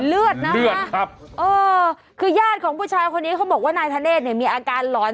เลือดนะเออคือญาติของผู้ชายคนนี้เขาบอกว่านายธเนธเนี่ยมีอาการหลอน